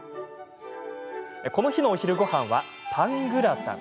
この日のお昼ごはんはパングラタン。